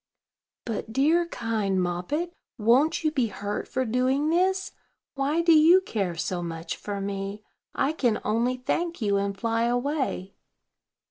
"But, dear, kind Moppet, won't you be hurt for doing this? Why do you care so much for me? I can only thank you, and fly away."